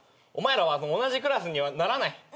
お前らは同じクラスにはならない。